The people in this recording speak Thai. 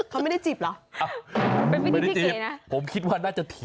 เขาไม่ได้จีบเหรอไม่ได้จีบนะผมคิดว่าน่าจะถีบ